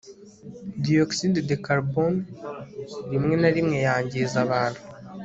dioxyde de carbone rimwe na rimwe yangiza abantu